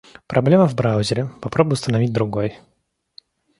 Проблема в браузере, попробой установить другой.